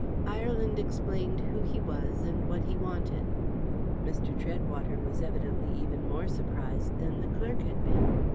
Ireland explained who he was, and what he wanted. Mr. Treadwater was evidently even more surprised than the clerk had been.